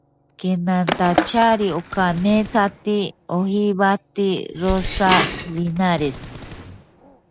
La ruta de ascensión más habitual comienza en Roza o Linares.